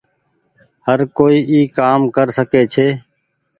هر ڪوئي اي ڪآم ڪري ڇي۔